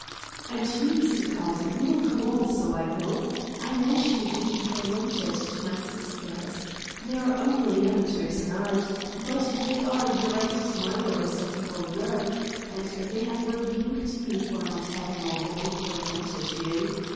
"And you, Mr. Carlton, you will come also, I hope. I wish you to be presented to my sisters. They are only amateurs in art, but they are great admirers of your work, and they have rebuked me for not having already presented you.